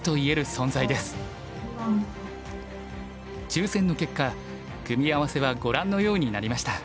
抽選の結果組み合わせはご覧のようになりました。